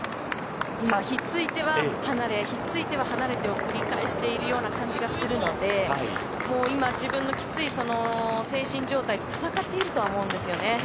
今、ひっついては離れひっついては離れを繰り返しているような感じがするのでもう今、自分のきつい精神状態とちょっと闘っているとは思うんですよね。